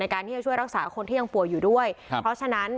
การที่จะช่วยรักษาคนที่ยังป่วยอยู่ด้วยครับเพราะฉะนั้น